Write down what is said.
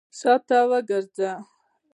شاته وګرځئ!